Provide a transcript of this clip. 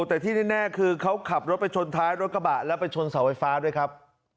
แต่ที่แน่คือเขาขับรถไปชนท้ายรถกระบะแล้วไปชนเสาไฟฟ้าด้วยครับ